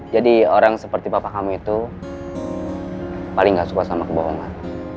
jadi orang seperti papa kamu itu paling gak suka sama kebohongan